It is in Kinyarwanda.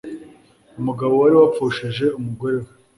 umugabo wari wapfushije umugore we